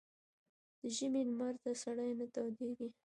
ـ د ژمي لمر ته سړى نه تودېږي.